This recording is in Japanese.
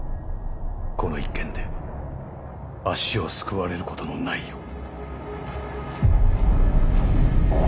この一件で足をすくわれることのないよう。